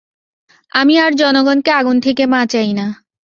আমি আর জনগণকে আগুন থেকে বাঁচাই না।